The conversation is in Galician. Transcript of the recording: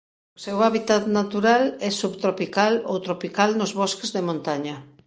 O seu hábitat natural é subtropical ou tropical nos bosques de montaña.